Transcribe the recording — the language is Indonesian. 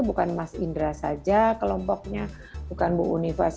saya pasti sekarang oke kembali lagi